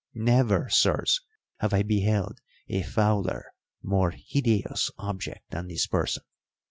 Never, sirs, have I beheld a fouler, more hideous object than this person.